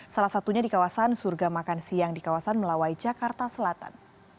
salah satunya di kawasan surga makan siang di kawasan melawai jakarta selatan